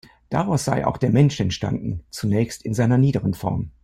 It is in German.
Daraus sei auch der Mensch entstanden, zunächst in seiner niederen Form.